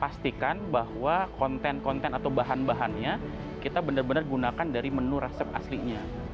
pastikan bahwa konten konten atau bahan bahannya kita benar benar gunakan dari menu resep aslinya